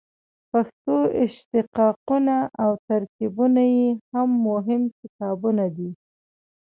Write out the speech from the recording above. پښتو اشتقاقونه او ترکیبونه یې هم مهم کتابونه دي.